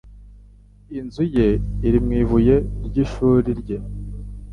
Inzu ye iri mu ibuye ry'ishuri rye.